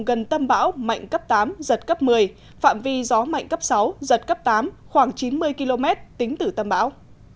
gần tâm bão mạnh cấp tám giật cấp một mươi phạm vi gió mạnh cấp sáu giật cấp tám khoảng chín mươi km tính từ tâm bão